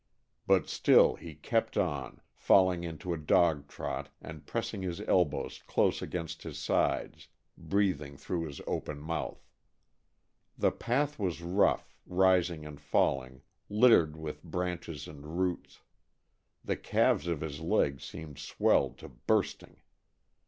But still he kept on, falling into a dog trot and pressing his elbows close against his sides, breathing through his open mouth. The path was rough, rising and falling, littered with branches and roots. The calves of his legs seemed swelled to bursting.